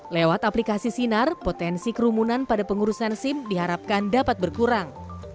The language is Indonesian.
lewat aplikasi sinar potensi kerumunan pada pengurusan sim diharapkan dapat berkurang